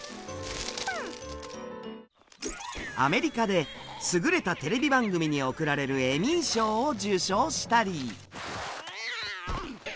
アメリカで優れたテレビ番組に贈られるエミー賞を受賞したり。